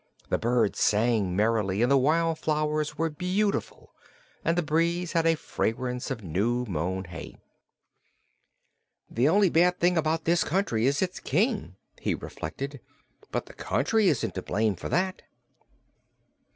The birds sang merrily and the wildflowers were beautiful and the breeze had a fragrance of new mown hay. "The only bad thing about this country is its King," he reflected; "but the country isn't to blame for that."